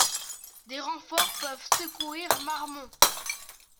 Des renforts peuvent secourir Marmont.